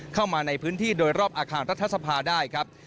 เข้ามาในพื้นที่โดยรอบอาคารรัฐสภาได้ครับ